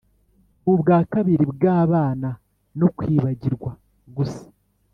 nubwa kabiri bwabana no kwibagirwa gusa,